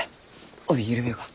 帯緩めようか？